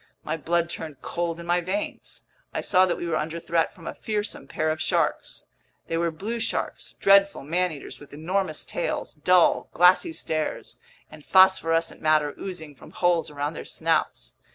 My blood turned cold in my veins! I saw that we were under threat from a fearsome pair of sharks. They were blue sharks, dreadful man eaters with enormous tails, dull, glassy stares, and phosphorescent matter oozing from holes around their snouts.